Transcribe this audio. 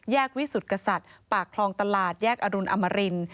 วิสุทธิ์กษัตริย์ปากคลองตลาดแยกอรุณอมริน